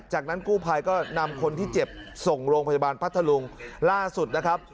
จากนั้นกู้ภัยก็นำคนที่เจ็บส่งโรงพยาบาลพัทธลุงล่าสุดนะครับ